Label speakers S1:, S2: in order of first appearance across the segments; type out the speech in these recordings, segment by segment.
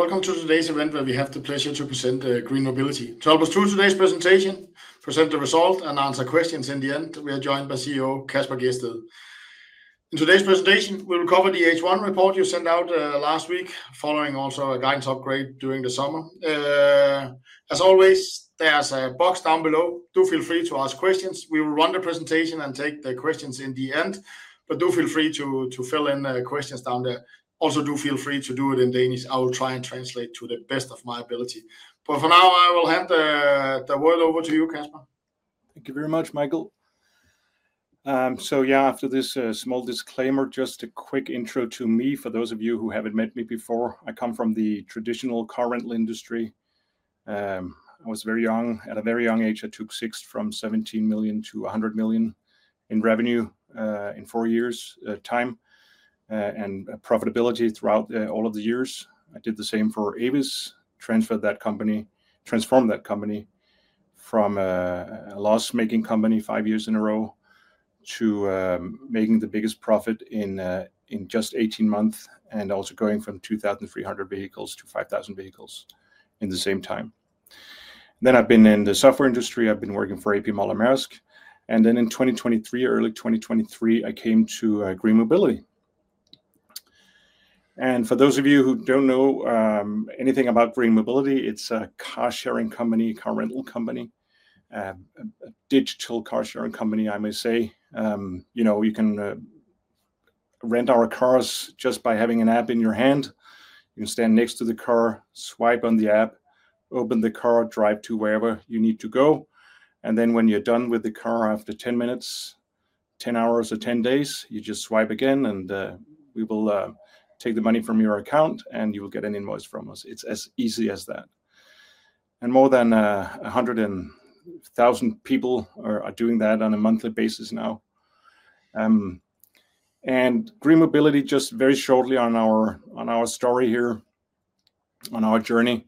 S1: Welcome to today's event where we have the pleasure to present GreenMobility. To help us through today's presentation, present the result and answer questions in the end, we are joined by CEO Kasper Gjedsted. In today's presentation, we will cover the H1 report you sent out last week, following also a guidance upgrade during the summer. As always, there's a box down below. Do feel free to ask questions. We will run the presentation and take the questions in the end. Do feel free to fill in questions down there. Also, do feel free to do it in Danish. I will try and translate to the best of my ability. For now, I will hand the word over to you, Kasper.
S2: Thank you very much, Michael. After this small disclaimer, just a quick intro to me for those of you who haven't met me before. I come from the traditional car rental industry. I was very young. At a very young age, I took Sixt from $17 million to $100 million in revenue in four years' time and profitability throughout all of the years. I did the same for Avis. Transformed that company from a loss-making company five years in a row to making the biggest profit in just 18 months and also going from 2,300 vehicles to 5,000 vehicles in the same time. I've been in the software industry. I've been working for A.P. Møller - Mærsk. In early 2023, I came to GreenMobility. For those of you who don't know anything about GreenMobility, it's a car sharing company, car rental company. A digital car sharing company, I may say. You know, you can rent our cars just by having an app in your hand. You can stand next to the car, swipe on the app, open the car, drive to wherever you need to go. When you're done with the car after 10 minutes, 10 hours, or 10 days, you just swipe again and we will take the money from your account and you will get an invoice from us. It's as easy as that. More than 100,000 people are doing that on a monthly basis now. GreenMobility, just very shortly on our story here, on our journey,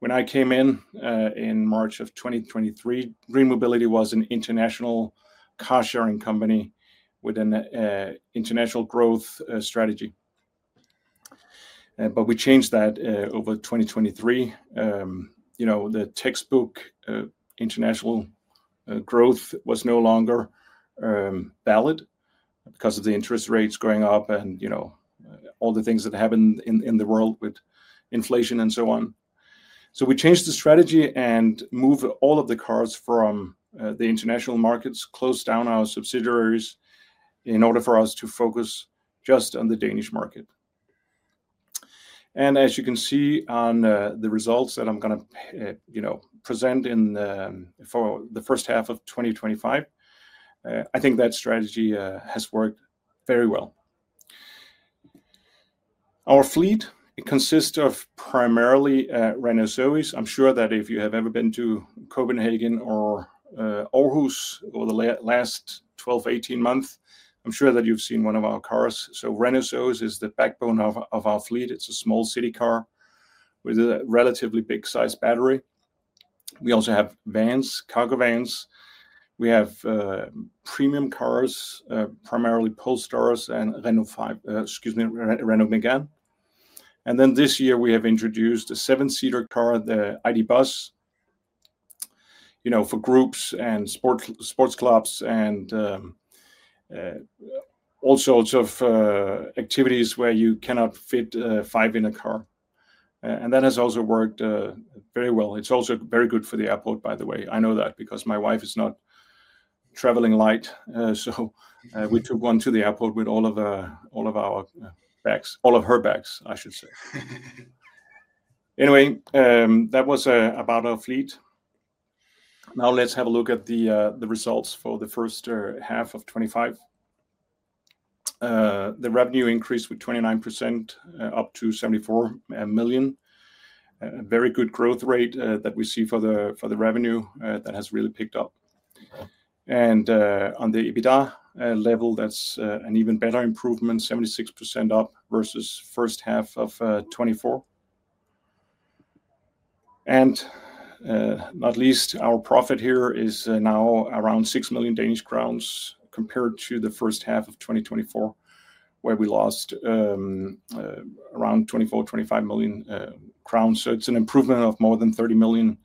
S2: when I came in in March of 2023, GreenMobility was an international car sharing company with an international growth strategy. We changed that over 2023. The textbook international growth was no longer valid because of the interest rates going up and all the things that happened in the world with inflation and so on. We changed the strategy and moved all of the cars from the international markets, closed down our subsidiaries in order for us to focus just on the Danish market. As you can see on the results that I'm going to present in the first half of 2025, I think that strategy has worked very well. Our fleet consists of primarily Renault Zoes. I'm sure that if you have ever been to Copenhagen or Aarhus over the last 12-18 months, you've seen one of our cars. Renault Zoes is the backbone of our fleet. It's a small city car with a relatively big size battery. We also have vans, cargo vans. We have premium cars, primarily Polestar and Renault Megane. This year we have introduced a seven-seater car, the ID. Buzz, you know, for groups and sports clubs and all sorts of activities where you cannot fit five in a car. That has also worked very well. It's also very good for the airport, by the way. I know that because my wife is not traveling light. We took one to the airport with all of our bags, all of her bags, I should say. Anyway, that was about our fleet. Now let's have a look at the results for the first half of 2025. The revenue increased by 29% up to 74 million. A very good growth rate that we see for the revenue that has really picked up. On the EBITDA level, that's an even better improvement, 76% up versus the first half of 2024. Not least, our profit here is now around 6 million Danish crowns compared to the first half of 2024, where we lost around 24-25 million crowns. It's an improvement of more than 30 million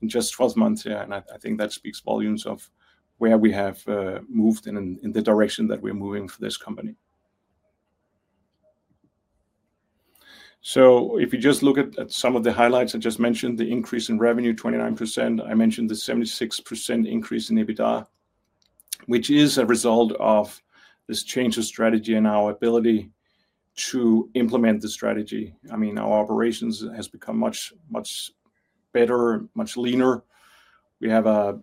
S2: in just 12 months. I think that speaks volumes of where we have moved in the direction that we're moving for this company. If you just look at some of the highlights I just mentioned, the increase in revenue 29%, I mentioned the 76% increase in EBITDA, which is a result of this change of strategy and our ability to implement the strategy. Our operations have become much, much better, much leaner. We have a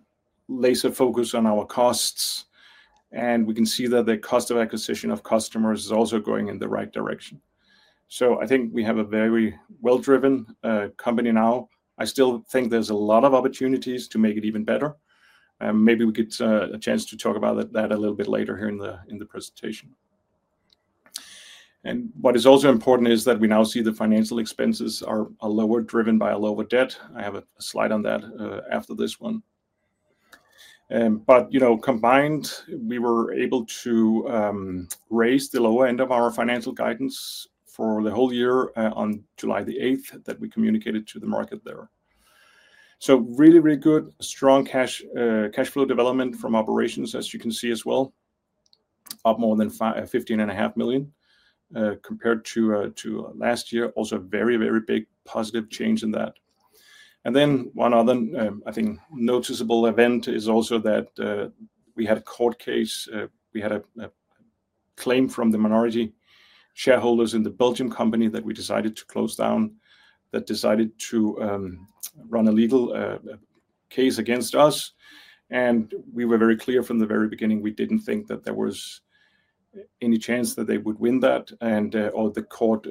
S2: laser focus on our costs, and we can see that the cost of acquisition of customers is also going in the right direction. I think we have a very well-driven company now. I still think there's a lot of opportunities to make it even better. Maybe we get a chance to talk about that a little bit later here in the presentation. What is also important is that we now see the financial expenses are lower driven by a lower debt. I have a slide on that after this one. Combined, we were able to raise the lower end of our financial guidance for the whole on July 8th that we communicated to the market there. Really, really good, strong cash flow development from operations, as you can see as well, up more than 15.5 million compared to last year. Also, a very, very big positive change in that. One other, I think, noticeable event is also that we had a court case. We had a claim from the minority shareholders in the Belgian company that we decided to close down, that decided to run a legal case against us. We were very clear from the very beginning. We didn't think that there was any chance that they would win that, and the court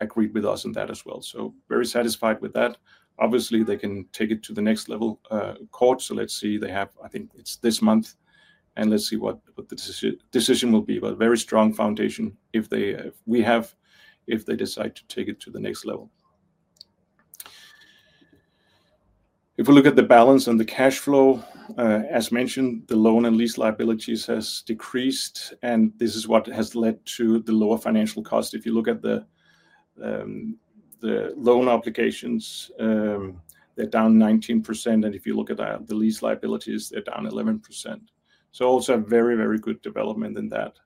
S2: agreed with us on that as well. Very satisfied with that. Obviously, they can take it to the next level court. Let's see. They have, I think it's this month, and let's see what the decision will be. A very strong foundation if they decide to take it to the next level. If we look at the balance on the cash flow, as mentioned, the loan and lease liabilities have decreased, and this is what has led to the lower financial cost. If you look at the loan obligations, they're down 19%, and if you look at the lease liabilities, they're down 11%. Also a very, very good development in that.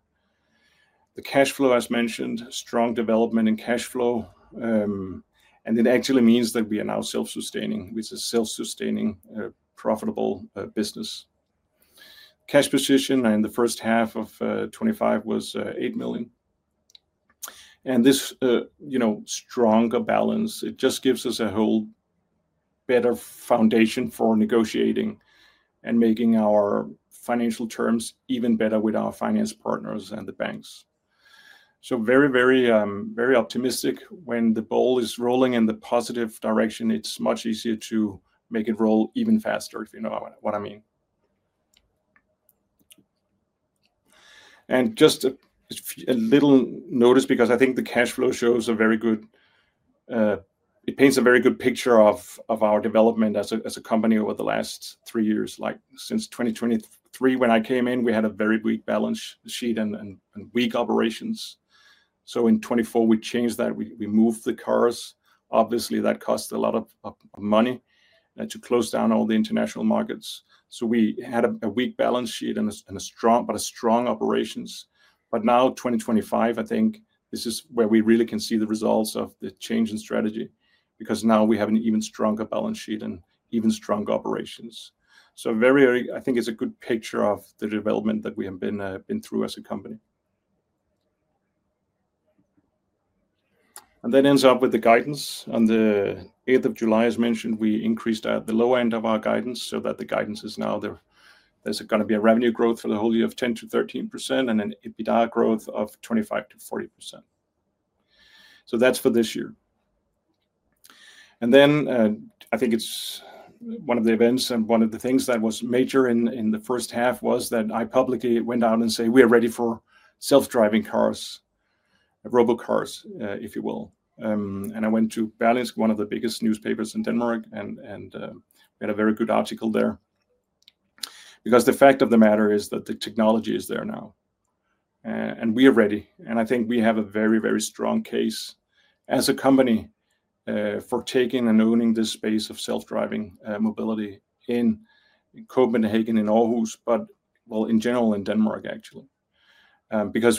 S2: The cash flow, as mentioned, strong development in cash flow, and it actually means that we are now self-sustaining. This is a self-sustaining, profitable business. Cash position in the first half of 2025 was 8 million. This stronger balance just gives us a whole better foundation for negotiating and making our financial terms even better with our finance partners and the banks. Very, very, very optimistic. When the ball is rolling in the positive direction, it's much easier to make it roll even faster, if you know what I mean. Just a little notice, because I think the cash flow shows a very good, it paints a very good picture of our development as a company over the last three years. Since 2023, when I came in, we had a very weak balance sheet and weak operations. In 2024, we changed that. We moved the cars. Obviously, that cost a lot of money to close down all the international markets. We had a weak balance sheet and strong operations. Now in 2025, I think this is where we really can see the results of the change in strategy, because now we have an even stronger balance sheet and even stronger operations. Very, very, I think it's a good picture of the development that we have been through as a company. That ends up with the guidance. On the 8th of July, as mentioned, we increased the lower end of our guidance so that the guidance is now there. There's going to be a revenue growth for the whole year of 10%-13% and an EBITDA growth of 25%-40%. That's for this year. I think it's one of the events and one of the things that was major in the first half was that I publicly went out and said we are ready for self-driving cars, robot cars, if you will. I went to Børsen, one of the biggest newspapers in Denmark, and made a very good article there. Because the fact of the matter is that the technology is there now, and we are ready. I think we have a very, very strong case as a company for taking and owning this space of self-driving mobility in Copenhagen, in Aarhus, in general in Denmark, actually.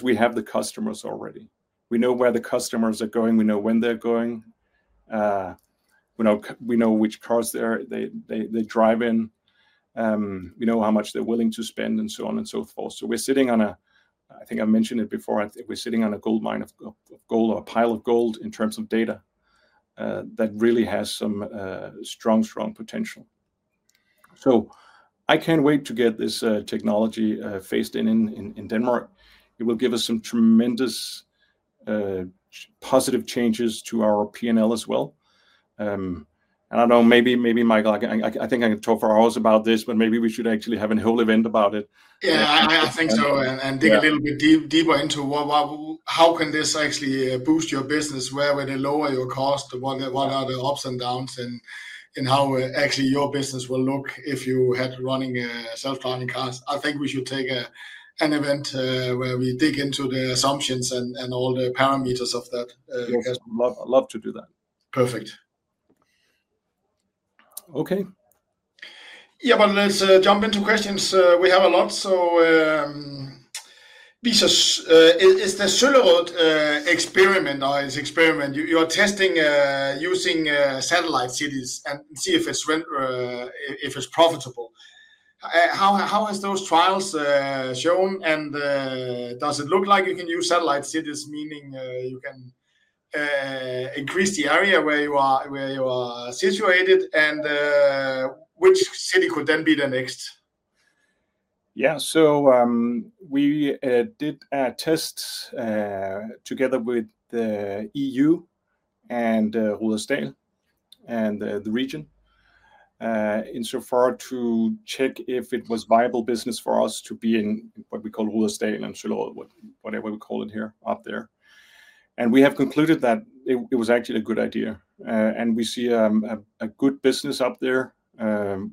S2: We have the customers already. We know where the customers are going. We know when they're going. We know which cars they drive in. We know how much they're willing to spend and so on and so forth. We're sitting on a, I think I mentioned it before, we're sitting on a gold mine of gold or a pile of gold in terms of data that really has some strong, strong potential. I can't wait to get this technology phased in in Denmark. It will give us some tremendous positive changes to our P&L as well. I don't know, maybe, maybe Michael, I think I could talk for hours about this, but maybe we should actually have a whole event about it.
S1: I think so. Dig a little bit deeper into how can this actually boost your business. Where would it lower your cost? What are the ups and downs? How actually your business will look if you had running a self-driving car? I think we should take an event where we dig into the assumptions and all the parameters of that.
S2: Yes, love to do that.
S1: Perfect. Okay. Let's jump into questions. We have a lot. Lisa, is the Søllerød experiment your testing using satellite cities and seeing if it's profitable? How have those trials shown? Does it look like you can use satellite cities, meaning you can increase the area where you are situated? Which city could then be the next?
S2: Yeah, we did tests together with the E.U. and Rudersdal and the region to check if it was viable business for us to be in what we call Rudersdal and Søllerød, whatever we call it up there. We have concluded that it was actually a good idea. We see a good business up there.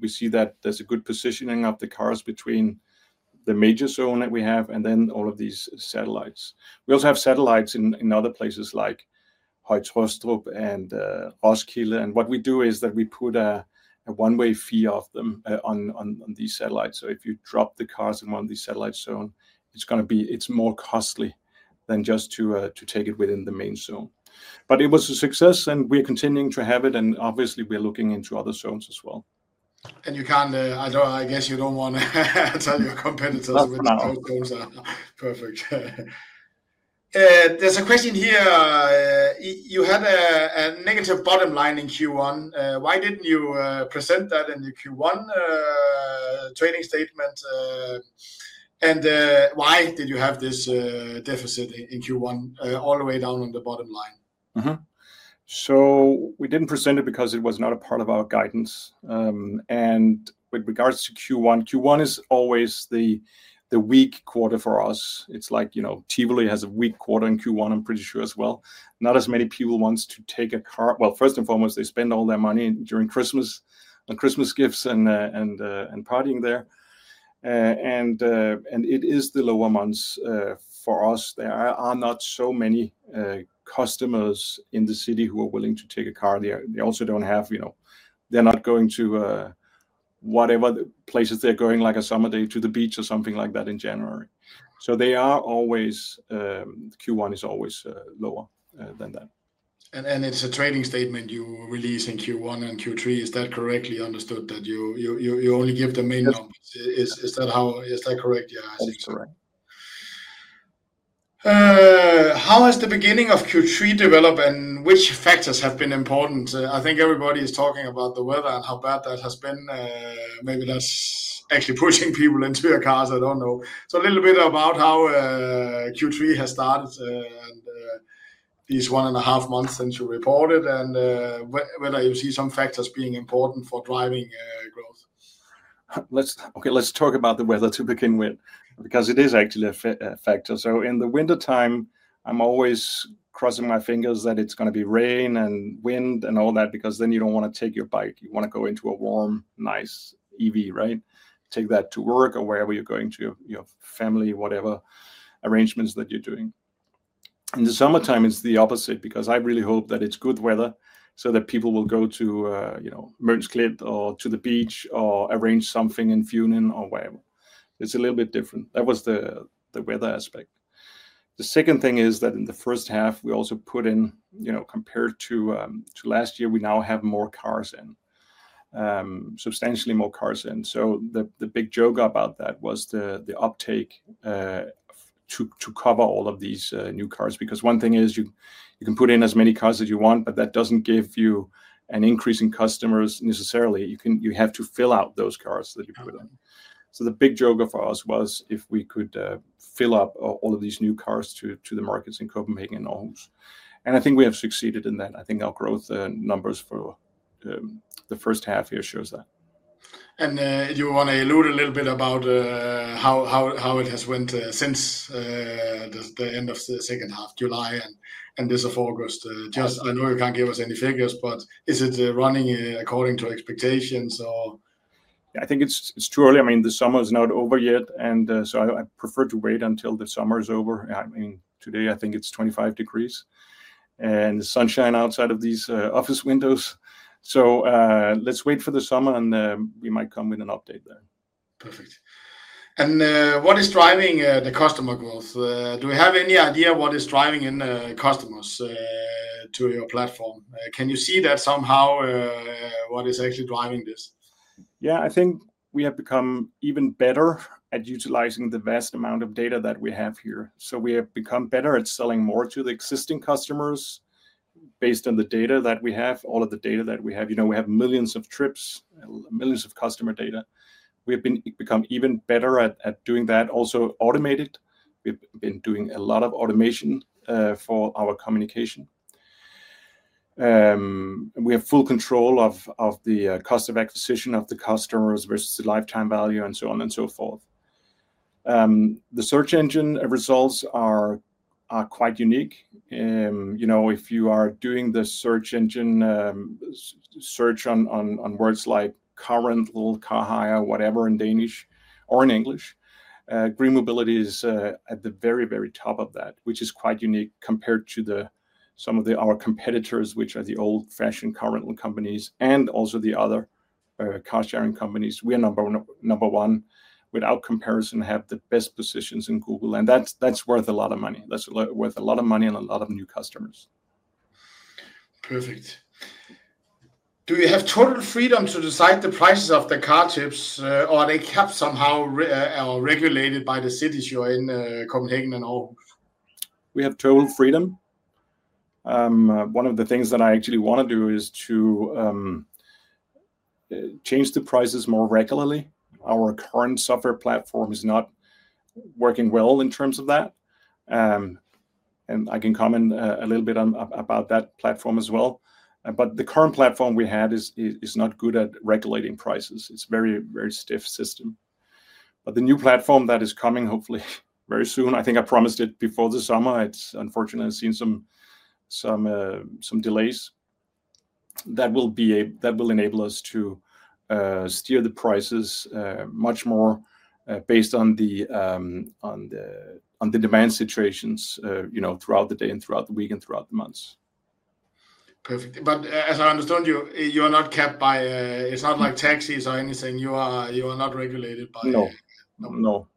S2: We see that there's a good positioning of the cars between the major zone that we have and then all of these satellites. We also have satellites in other places like Høje-Taastrup and Roskilde. What we do is that we put a one-way fee on these satellites. If you drop the cars in one of these satellite zones, it's going to be more costly than just to take it within the main zone. It was a success and we're continuing to have it, and obviously we're looking into other zones as well.
S1: I guess you don't want to tell your competitors what those zones are. Perfect. There's a question here. You had a negative bottom line in Q1. Why didn't you present that in the Q1 training statement? Why did you have this deficit in Q1 all the way down on the bottom line?
S2: We didn't present it because it was not a part of our guidance. With regards to Q1, Q1 is always the weak quarter for us. It's like, you know, Tivoli has a weak quarter in Q1, I'm pretty sure as well. Not as many people want to take a car. First and foremost, they spend all their money during Christmas on Christmas gifts and partying there. It is the lower months for us. There are not so many customers in the city who are willing to take a car. They also don't have, you know, they're not going to whatever places they're going, like a summer day to the beach or something like that in January. Q1 is always lower than that.
S1: It's a trading statement you release in Q1 and Q3. Is that correctly understood that you only give the minimum? Is that correct? Yeah, I think so. How has the beginning of Q3 developed and which factors have been important? I think everybody is talking about the weather and how bad that has been. Maybe that's actually pushing people into your cars. I don't know. A little bit about how Q3 has started and these one and a half months since you reported and whether you see some factors being important for driving growth.
S2: Okay, let's talk about the weather to begin with because it is actually a factor. In the wintertime, I'm always crossing my fingers that it's going to be rain and wind and all that because then you don't want to take your bike. You want to go into a warm, nice EV, right? Take that to work or wherever you're going to, your family, whatever arrangements that you're doing. In the summertime, it's the opposite because I really hope that it's good weather so that people will go to, you know, Møns Klint or to the beach or arrange something in Funen or wherever. It's a little bit different. That was the weather aspect. The second thing is that in the first half, we also put in, you know, compared to last year, we now have more cars in, substantially more cars in. The big joke about that was the uptake to cover all of these new cars because one thing is you can put in as many cars as you want, but that doesn't give you an increase in customers necessarily. You have to fill out those cars that you put in. The big joke for us was if we could fill up all of these new cars to the markets in Copenhagen and Aarhus. I think we have succeeded in that. I think our growth numbers for the first half here show that.
S1: Could you elaborate a little bit about how it has went since the end of the second half, July and this of August? I know you can't give us any figures, but is it running according to expectations?
S2: I think it's too early. The summer is not over yet, so I prefer to wait until the summer is over. Today, I think it's 25 degrees and the sunshine outside of these office windows. Let's wait for the summer and we might come with an update there.
S1: Perfect. What is driving the customer growth? Do we have any idea what is driving in customers to your platform? Can you see that somehow, what is actually driving this?
S2: Yeah, I think we have become even better at utilizing the vast amount of data that we have here. We have become better at selling more to the existing customers based on the data that we have, all of the data that we have. We have millions of trips, millions of customer data. We have become even better at doing that, also automated. We've been doing a lot of automation for our communication. We have full control of the cost of acquisition of the customers versus the lifetime value and so on and so forth. The search engine positioning is quite unique. If you are doing the search engine search on words like car rental, car hire, whatever in Danish or in English, GreenMobility is at the very, very top of that, which is quite unique compared to some of our competitors, which are the old-fashioned car rental companies and also the other car sharing companies. We are number one without comparison, have the best positions in Google, and that's worth a lot of money. That's worth a lot of money and a lot of new customers.
S1: Perfect. Do you have total freedom to decide the prices of the car trips, or are they kept somehow regulated by the cities you are in, Copenhagen and Aarhus?
S2: We have total freedom. One of the things that I actually want to do is to change the prices more regularly. Our current software platform is not working well in terms of that. I can comment a little bit about that platform as well. The current platform we had is not good at regulating prices. It's a very, very stiff system. The new platform that is coming, hopefully very soon, I think I promised it before the summer. It's unfortunately seen some delays that will enable us to steer the prices much more based on the demand situations throughout the day and throughout the week and throughout the months.
S1: Perfect. As I understand you, you are not kept by, it's not like taxis or anything. You are not regulated by.
S2: No, no.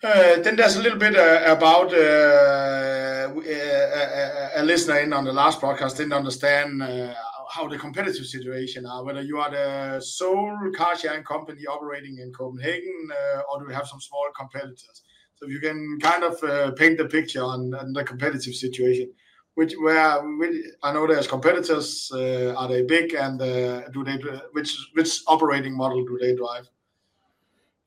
S1: There's a little bit about a listener in on the last podcast didn't understand how the competitive situation is, whether you are the sole car sharing company operating in Copenhagen, or do you have some small competitors. If you can kind of paint the picture on the competitive situation, which where I know there's competitors, are they big and do they, which operating model do they drive?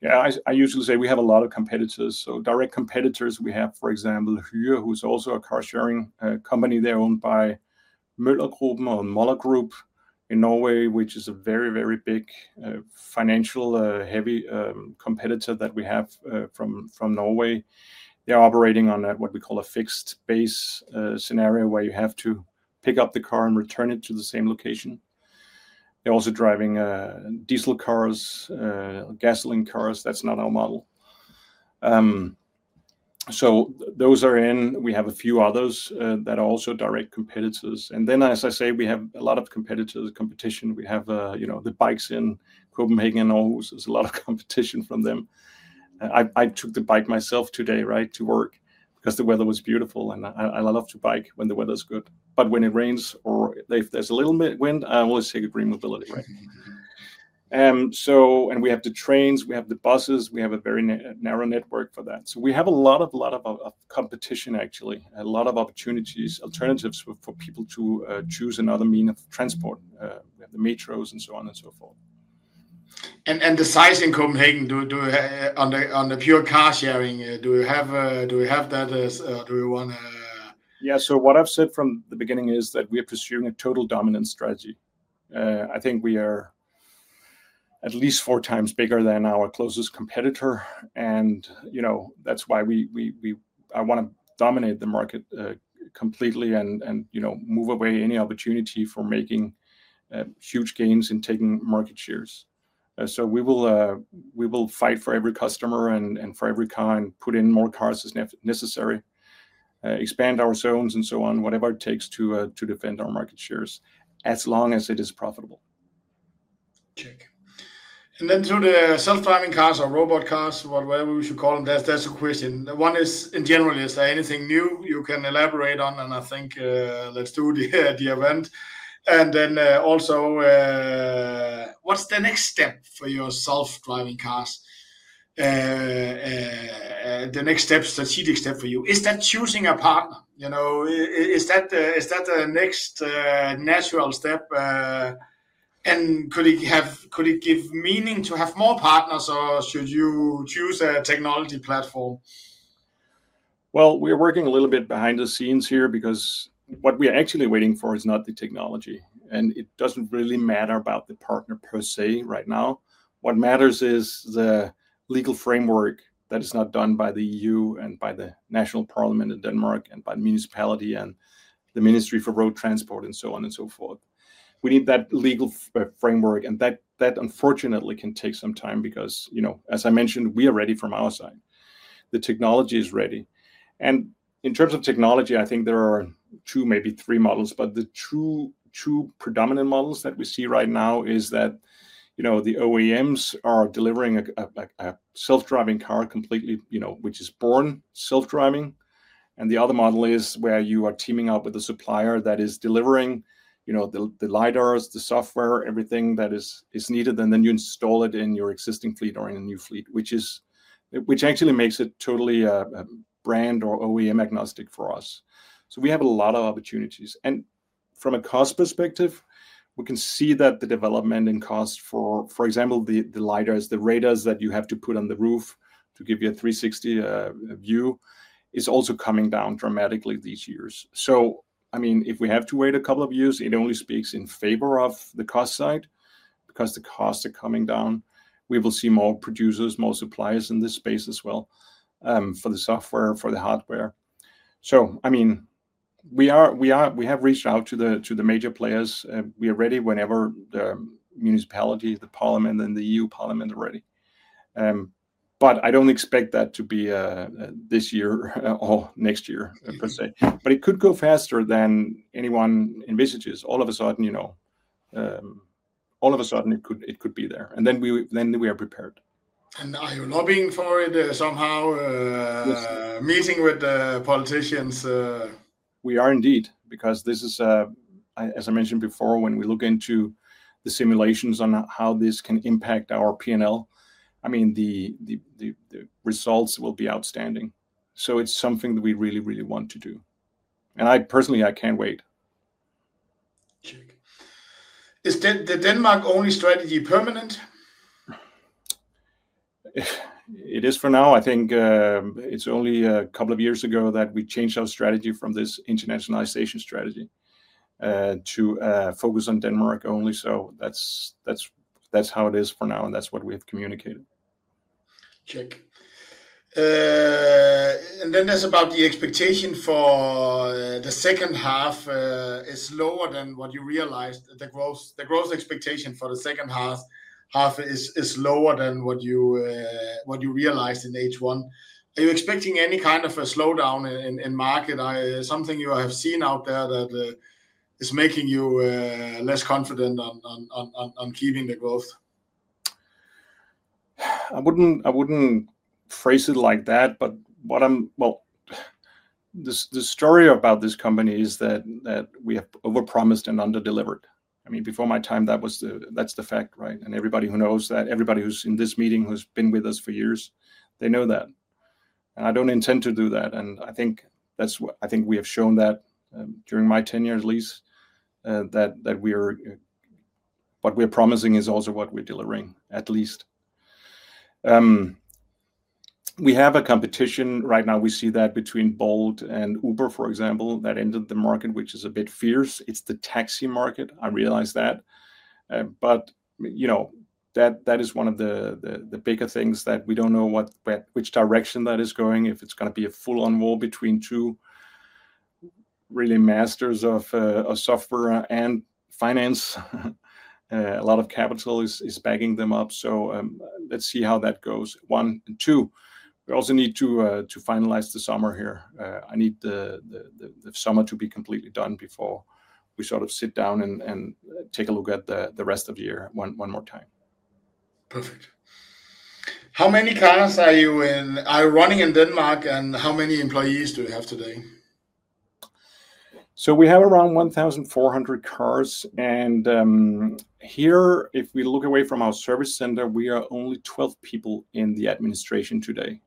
S2: Yeah, I usually say we have a lot of competitors. Direct competitors we have, for example, Hyre, also a car sharing company. They're owned by Møllergruppen, Møller Group in Norway, which is a very, very big financially heavy competitor that we have from Norway. They're operating on that, what we call a fixed base scenario where you have to pick up the car and return it to the same location. They're also driving diesel cars, gasoline cars. That's not our model. Those are in. We have a few others that are also direct competitors. I say we have a lot of competitors, competition. We have, you know, the bikes in Copenhagen and Aarhus. There's a lot of competition from them. I took the bike myself today, right, to work because the weather was beautiful. I love to bike when the weather is good. When it rains or if there's a little bit of wind, I always take GreenMobility. We have the trains, we have the buses, we have a very narrow network for that. We have a lot of competition, actually, a lot of opportunities, alternatives for people to choose another means of transport. We have the metros and so on and so forth.
S1: The size in Copenhagen, do you have on the pure car sharing, do you have that, or do you want to?
S2: Yeah, what I've said from the beginning is that we are pursuing a total dominance strategy. I think we are at least 4x bigger than our closest competitor. That's why I want to dominate the market completely and move away any opportunity for making huge gains in taking market shares. We will fight for every customer and for every car and put in more cars as necessary, expand our zones and so on, whatever it takes to defend our market shares as long as it is profitable.
S1: To the autonomous vehicles or robot cars, whatever we should call them, that's a question. One is, in general, is there anything new you can elaborate on? I think let's do the event. Also, what's the next step for your autonomous vehicles? The next strategic step for you, is that choosing a partner? Is that the next natural step? Could it give meaning to have more partners, or should you choose a technology platform?
S2: We're working a little bit behind the scenes here because what we're actually waiting for is not the technology. It doesn't really matter about the partner per se right now. What matters is the legal framework that is not done by the E.U., by the National Parliament of Denmark, by the municipality, and the Ministry for Road Transport and so on and so forth. We need that legal framework. Unfortunately, that can take some time because, as I mentioned, we are ready from our side. The technology is ready. In terms of technology, I think there are two, maybe three models. The two predominant models that we see right now are that the OEMs are delivering a self-driving car completely, which is born self-driving, and the other model is where you are teaming up with a supplier that is delivering the lidars, the software, everything that is needed, and then you install it in your existing fleet or in a new fleet, which actually makes it totally a brand or OEM agnostic for us. We have a lot of opportunities. From a cost perspective, we can see that the development in cost for, for example, the lidars, the radars that you have to put on the roof to give you a 360 view, is also coming down dramatically these years. If we have to wait a couple of years, it only speaks in favor of the cost side because the costs are coming down. We will see more producers, more suppliers in this space as well, for the software, for the hardware. We have reached out to the major players. We are ready whenever the municipality, the parliament, and the E.U. parliament are ready. I don't expect that to be this year or next year per se. It could go faster than anyone envisages. All of a sudden, it could be there. Then we are prepared.
S1: Are you lobbying for it somehow, meeting with the politicians?
S2: We are indeed, because this is, as I mentioned before, when we look into the simulations on how this can impact our P&L, the results will be outstanding. It is something that we really, really want to do. I personally, I can't wait.
S1: Is the Denmark-only strategy permanent?
S2: It is for now. I think it's only a couple of years ago that we changed our strategy from this internationalization strategy to focus on Denmark only. That is how it is for now, and that's what we have communicated.
S1: The expectation for the second half is lower than what you realized. The growth expectation for the second half is lower than what you realized in H1. Are you expecting any kind of a slowdown in the market? Something you have seen out there that is making you less confident on keeping the growth?
S2: I wouldn't phrase it like that, but what I'm, the story about this company is that we have overpromised and under-delivered. I mean, before my time, that's the fact, right? Everybody who knows that, everybody who's in this meeting who's been with us for years, they know that. I don't intend to do that. I think that's what I think we have shown that during my tenure, that what we're promising is also what we're delivering, at least. We have a competition right now. We see that between Bolt and Uber, for example, that entered the market, which is a bit fierce. It's the taxi market. I realize that. That is one of the bigger things that we don't know which direction that is going, if it's going to be a full-on war between two really masters of software and finance. A lot of capital is backing them up. Let's see how that goes. One, and two, we also need to finalize the summer here. I need the summer to be completely done before we sort of sit down and take a look at the rest of the year one more time.
S1: Perfect. How many cars are you running in Denmark, and how many employees do you have today?
S2: We have around 1,400 cars. If we look away from our service center, we are only 12 people in the administration today.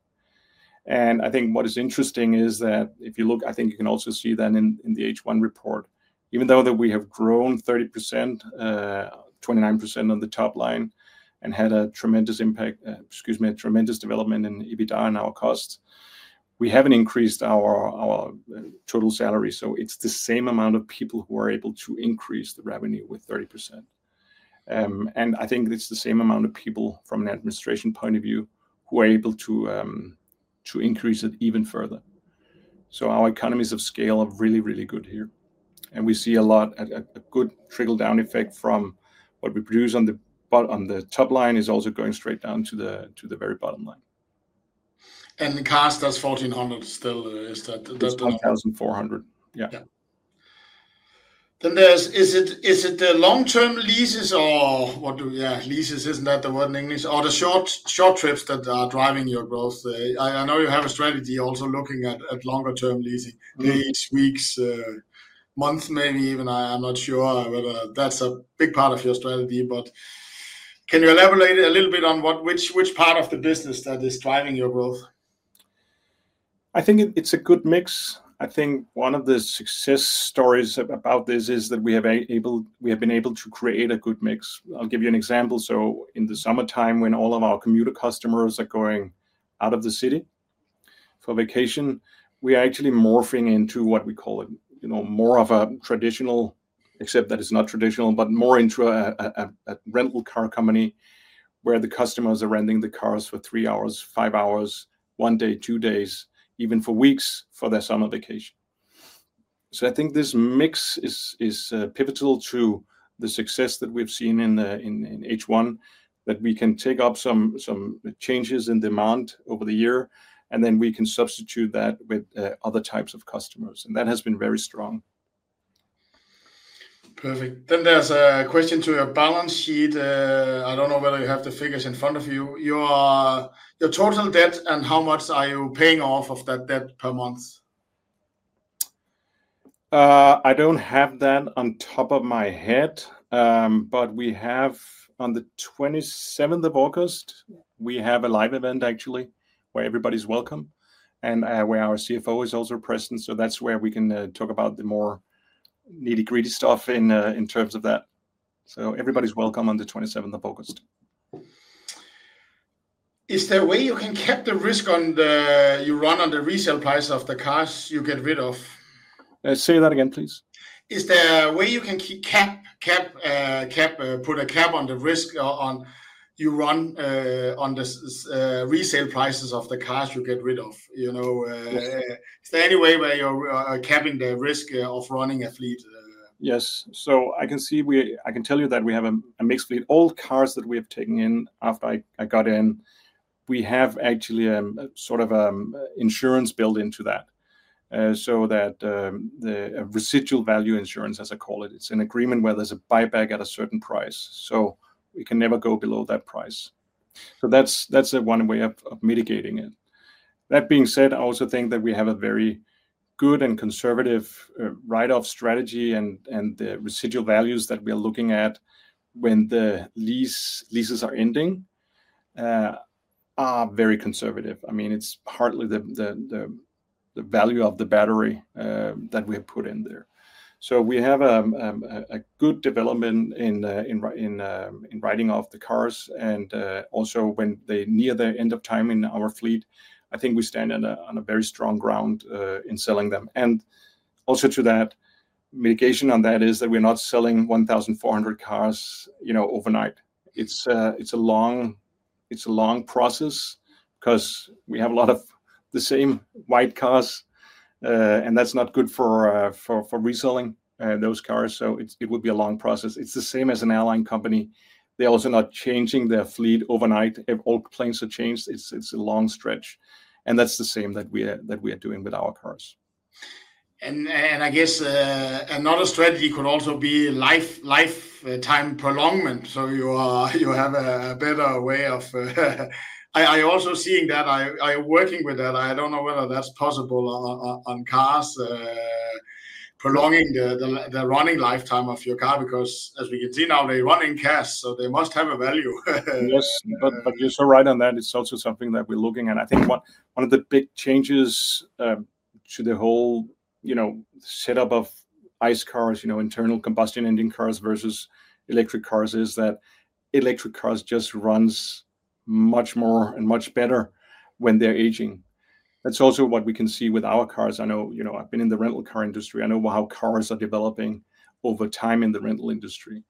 S2: I think what is interesting is that if you look, I think you can also see that in the H1 report, even though we have grown 30%, 29% on the top line, and had a tremendous impact, a tremendous development in EBITDA and our costs, we haven't increased our total salary. It's the same amount of people who are able to increase the revenue with 30%. I think it's the same amount of people from an administration point of view who are able to increase it even further. Our economies of scale are really, really good here. We see a lot of good trickle-down effect from what we produce on the top line is also going straight down to the very bottom line.
S1: The cars, that's 1,400 still, is that?
S2: That's 1,400, yeah.
S1: Is it the long-term leases or the short trips that are driving your growth? I know you have a strategy also looking at longer-term leases, weeks, months, maybe even, I'm not sure, but that's a big part of your strategy. Can you elaborate a little bit on which part of the business is driving your growth?
S2: I think it's a good mix. I think one of the success stories about this is that we have been able to create a good mix. I'll give you an example. In the summertime, when all of our commuter customers are going out of the city for vacation, we are actually morphing into what we call it, you know, more of a traditional, except that it's not traditional, but more into a car rental company where the customers are renting the cars for three hours, five hours, one day, two days, even for weeks for their summer vacation. I think this mix is pivotal to the success that we've seen in H1, that we can take up some changes in demand over the year, and then we can substitute that with other types of customers. That has been very strong.
S1: Perfect. There is a question to your balance sheet. I don't know whether you have the figures in front of you. Your total debt and how much are you paying off of that debt per month?
S2: I don't have that on top of my head, but we have on the 27th of August, we have a live event actually where everybody's welcome and where our CFO is also present. That's where we can talk about the more nitty-gritty stuff in terms of that. Everybody's welcome on the 27th of August.
S1: Is there a way you can cap the risk on the, you run on the resale price of the cars you get rid of?
S2: Say that again, please.
S1: Is there a way you can put a cap on the risk you run on the resale prices of the cars you get rid of? Is there any way where you're capping the risk of running a fleet?
S2: Yes, so I can see, I can tell you that we have a mixed fleet. All cars that we have taken in after I got in, we have actually sort of an insurance built into that. The residual value insurance, as I call it, is an agreement where there's a buyback at a certain price. We can never go below that price. That's one way of mitigating it. That being said, I also think that we have a very good and conservative write-off strategy, and the residual values that we are looking at when the leases are ending are very conservative. I mean, it's hardly the value of the battery that we have put in there. We have a good development in writing off the cars, and also when they near the end of time in our fleet, I think we stand on very strong ground in selling them. Also, mitigation on that is that we're not selling 1,400 cars overnight. It's a long process because we have a lot of the same white cars, and that's not good for reselling those cars. It would be a long process. It's the same as an airline company. They're also not changing their fleet overnight. All planes are changed. It's a long stretch. That's the same that we are doing with our cars.
S1: Another strategy could also be lifetime prolongment. You have a better way of, I'm also seeing that, I'm working with that. I don't know whether that's possible on cars, prolonging the running lifetime of your car because as we can see now, they run in cash. They must have a value.
S2: Yes, you're so right on that. It's also something that we're looking at. I think one of the big changes to the whole setup of ICE cars, you know, internal combustion engine cars versus electric cars, is that electric cars just run much more and much better when they're aging. That's also what we can see with our cars. I know, I've been in the rental car industry. I know how cars are developing over time in the rental industry.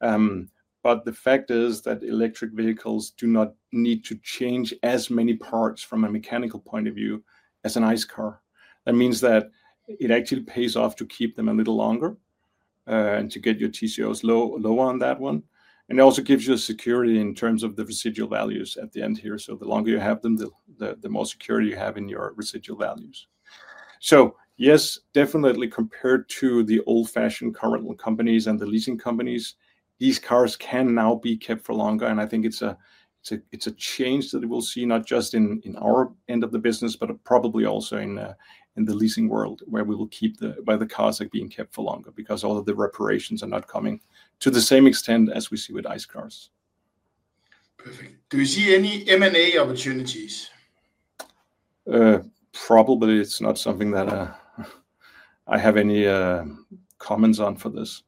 S2: The fact is that electric vehicles do not need to change as many parts from a mechanical point of view as an ICE car. That means that it actually pays off to keep them a little longer and to get your TCOs lower on that one. It also gives you a security in terms of the residual values at the end here. The longer you have them, the more security you have in your residual values. Yes, definitely compared to the old-fashioned car rental companies and the leasing companies, these cars can now be kept for longer. I think it's a change that we will see not just in our end of the business, but probably also in the leasing world where we will keep the cars being kept for longer because all of the reparations are not coming to the same extent as we see with ICE cars.
S1: Perfect. Do you see any M&A opportunities?
S2: Probably it's not something that I have any comments on for this.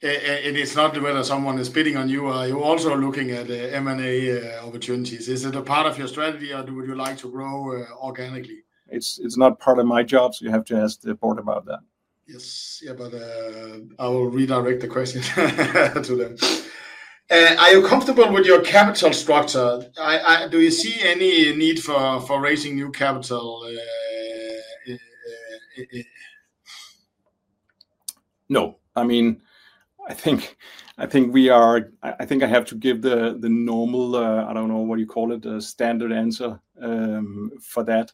S1: It is not whether someone is bidding on you. Are you also looking at M&A opportunities? Is it a part of your strategy or would you like to grow organically?
S2: It's not part of my job, so you have to ask the board about that.
S1: Yes, I will redirect the question to them. Are you comfortable with your capital structure? Do you see any need for raising new capital?
S2: I think I have to give the standard answer for that.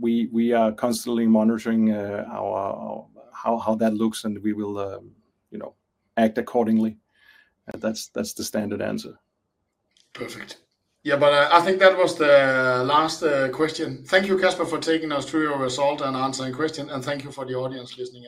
S2: We are constantly monitoring how that looks and we will act accordingly. That's the standard answer.
S1: Perfect. Yeah, I think that was the last question. Thank you, Kasper, for taking us through your result and answering questions. Thank you for the audience listening.